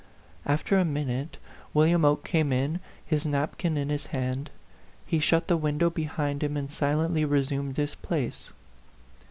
After a minute, William Oke came in, his napkin in his hand. He shut the win dow behind him and silently resumed his place.